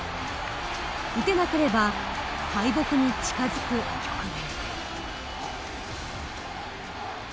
打てなければ敗北に近づく局面。